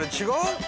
違う？